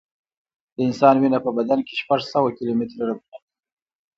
د انسان وینه په بدن کې شپږ سوه کیلومټره رګونه لري.